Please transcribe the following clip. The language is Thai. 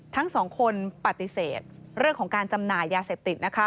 ทั้ง๒คนปฏิเสธเรื่องของการจำหน่ายยาเศษติฯ